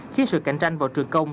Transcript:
khiến sự cạnh tranh vào trường công